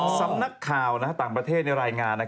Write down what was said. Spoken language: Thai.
สำนักข่าวต่างประเทศในรายงาน